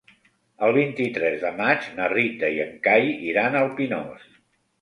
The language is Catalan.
El vint-i-tres de maig na Rita i en Cai iran al Pinós.